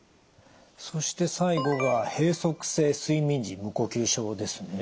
そして最後が閉塞性睡眠時無呼吸症ですね。